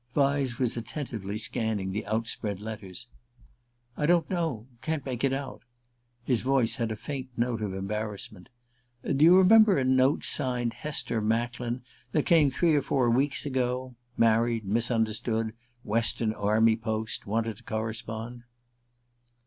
Vyse was attentively scanning the outspread letters. "I don't know: can't make out." His voice had a faint note of embarrassment. "Do you remember a note signed Hester Macklin that came three or four weeks ago? Married misunderstood Western army post wanted to correspond?"